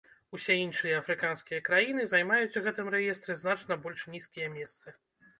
Усе іншыя афрыканскія краіны займаюць у гэтым рэестры значна больш нізкія месцы.